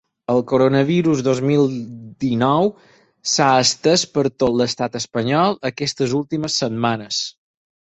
El coronavirus dos mil dinou s’ha estès per tot l’estat espanyol aquestes últimes setmanes.